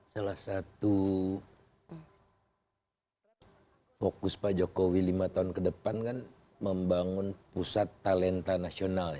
salah satu fokus pak jokowi lima tahun ke depan kan membangun pusat talenta nasional